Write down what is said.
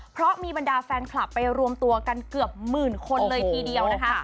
เพราะมีบรรดาแฟนคลับไปรวมตัวกันเกือบหมื่นคนเลยทีเดียวนะคะ